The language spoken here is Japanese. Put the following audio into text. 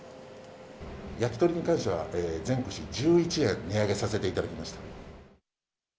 焼き鳥に関しては、全串１１円値上げさせていただきました。